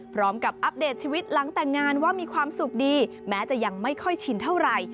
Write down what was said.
อัปเดตชีวิตหลังแต่งงานว่ามีความสุขดีแม้จะยังไม่ค่อยชินเท่าไหร่